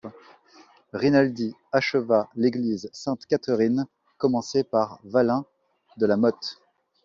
Rinaldi acheva l'église Sainte-Catherine commencée par Vallin de La Mothe.